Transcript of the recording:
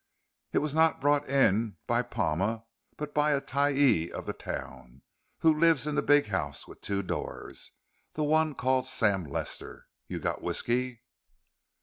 "It was not brought in by Palma but by a tyee of the town who lives in the big house with two doors. The one called Sam Lester. You got whisky?"